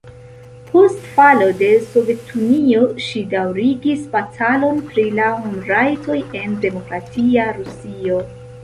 Post falo de Sovetunio ŝi daŭrigis batalon pri la homrajtoj en demokratia Rusio.